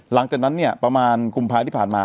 หลังจากนั้นนี่ประมาณกลุ่มพระอาทิพาตมา